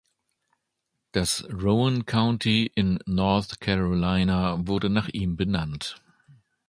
Das Rowan County in North Carolina wurde nach ihm benannt.